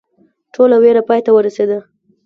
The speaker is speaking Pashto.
ټوله ویره پای ته ورسېده.